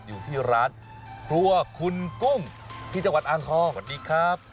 อยู่ที่ร้านครัวคุณกุ้งที่จังหวัดอ่างทองสวัสดีครับ